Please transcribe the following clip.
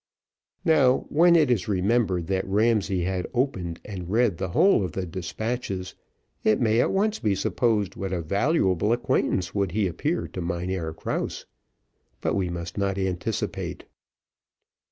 Now when it is remembered that Ramsay had opened and read the whole of the despatches, it may at once be supposed what a valuable acquaintance he would appear to Mynheer Krause; but we must not anticipate.